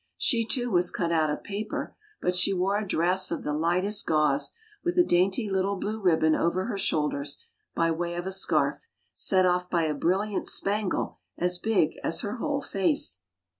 She, too, was cut out of paper, but she wore a dress of the lightest gauze, with a dainty little blue ribbon over her shoulders, by way of a scarf, set off by a brilliant spangle as big as her whole face.